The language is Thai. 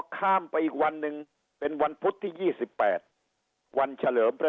ข้ามไปอีกวันหนึ่งเป็นวันพุธที่๒๘วันเฉลิมพระ